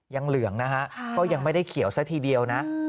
เหลืองนะฮะก็ยังไม่ได้เขียวซะทีเดียวนะ